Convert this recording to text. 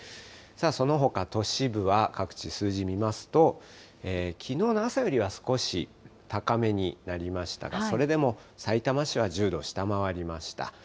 そのほか都市部は各地、数字見ますと、きのうの朝よりは少し高めになりましたが、それでもさいたま市は１０度下回りました。